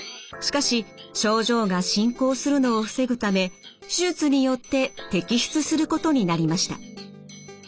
しかし症状が進行するのを防ぐため手術によって摘出することになりました。